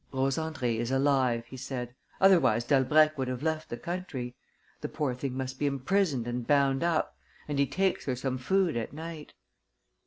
"Rose Andrée is alive," he said. "Otherwise Dalbrèque would have left the country. The poor thing must be imprisoned and bound up; and he takes her some food at night."